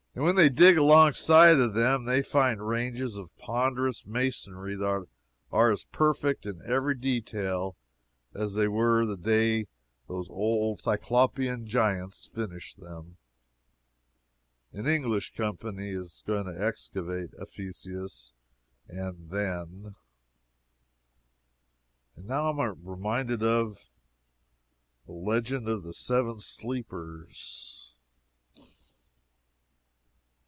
When they dig alongside of them, they find ranges of ponderous masonry that are as perfect in every detail as they were the day those old Cyclopian giants finished them. An English Company is going to excavate Ephesus and then! And now am I reminded of THE LEGEND OF THE SEVEN SLEEPERS.